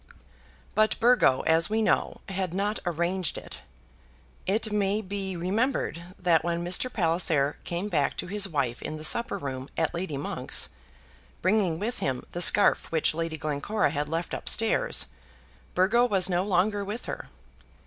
But Burgo, as we know, had not "arranged it." It may be remembered that when Mr. Palliser came back to his wife in the supper room at Lady Monk's, bringing with him the scarf which Lady Glencora had left up stairs, Burgo was no longer with her.